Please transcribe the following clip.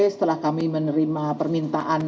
setelah kami menerima permintaan